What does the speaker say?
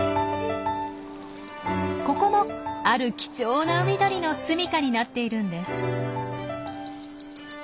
ここもある貴重な海鳥のすみかになっているんです。